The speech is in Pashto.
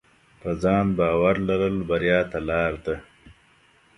په ځان باور لرل بریا ته لار ده.